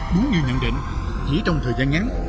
đúng như nhận định chỉ trong thời gian ngắn